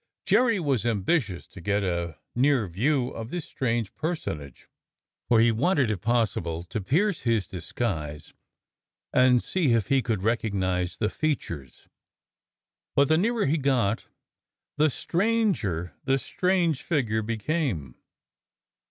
Jerry was ambitious to get a near view of this strange per sonage, for he wanted if possible to pierce his disguise and see if he could recognize the features. But the nearer he got, the stranger the strange figure became.